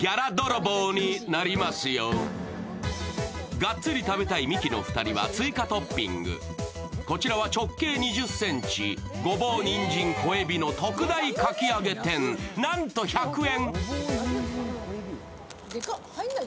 がっつり食べたいミキの２人は、追加トッピング。こちらは直径２０ｃｍ、ごぼう、にんじん、小エビの特大かき揚げ天、なんと１００円。